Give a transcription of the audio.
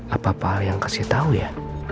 apa pak al yang kasih tahu ya